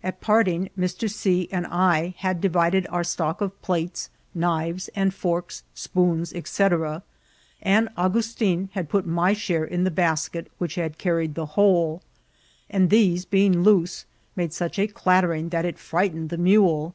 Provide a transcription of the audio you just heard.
At parting, Mr. C. and I had divided our stock of plateSy knives and forks, spoons, &;c.| and Augustin had put my share in the basket which had carried the whole, and these, being loose, made such a elattering that it firightened the mule.